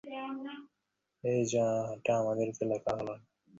এই যা, এটা আপনাকে লেখা ঠিক হল না।